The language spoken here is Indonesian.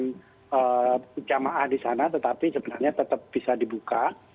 dan jamaah di sana tetapi sebenarnya tetap bisa dibuka